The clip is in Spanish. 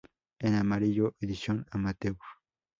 En amarillo: edición amateur.